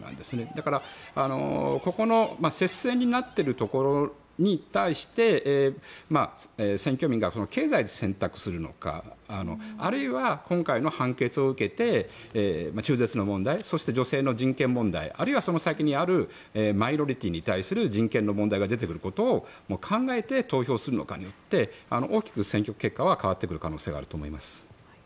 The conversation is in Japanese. だから、ここの接戦になっているところに対して選挙民が経済で選択するのかあるいは今回の判決を受けて中絶の問題そして、女性の人権問題あるいは、その先にあるマイノリティーに対する人権の問題が出てくることを考えて投票するのかによって大きく選挙結果は変わってくる可能性があると思います。